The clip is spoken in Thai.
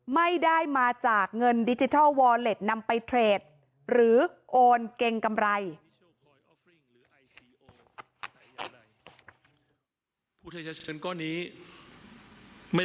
ไม่ได้มาจากเงินดิจิทัลวอลเล็ตนำไปเทรดหรือโอนเกรงกำไร